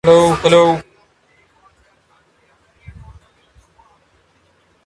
He was Juan Bautista Gill's cousin and Vice President.